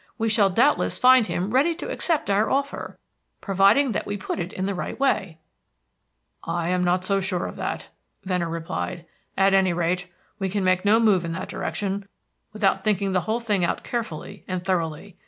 We shall doubtless find him ready to accept our offer, provided that we put it in the right way." "I am not so sure of that," Venner replied. "At any rate, we can make no move in that direction without thinking the whole thing out carefully and thoroughly.